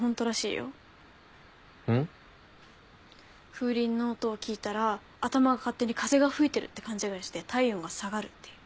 風鈴の音を聞いたら頭が勝手に風が吹いてるって勘違いして体温が下がるっていう。